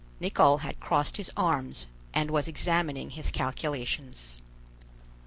Nicholl had crossed his arms, and was examining his calculations.